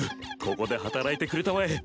ここで働いてくれたまえ